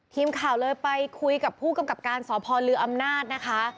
ทีมข่าวเลยไปคุยกับผู้กำกับการสพลืออำนาจนะคะ